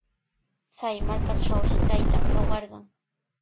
Chay markatrawshi taytan kawarqan.